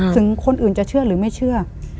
ถึงคนอื่นจะเชื่อหรือไม่เชื่อ